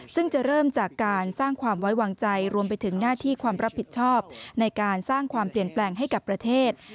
ซึ่งจะเริ่มจากการสร้างความไว้วางใจรวมไปถึงหน้าที่ความรับผิดชอบในการสร้างความเปลี่ยนแปลงให้กับประเทศ